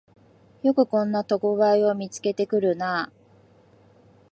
よくこんな特売を見つけてくるなあ